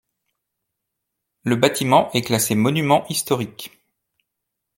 Le bâtiment est classé monument historique.